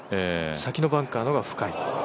先のバンカーの方が深い。